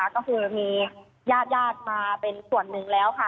ก็คือมีญาติมาเป็นส่วนหนึ่งแล้วค่ะ